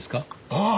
ああ。